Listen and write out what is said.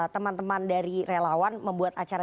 teman teman dari relawan membuat acara